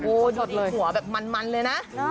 โอ้ดดหัวแบบมันเลยนะ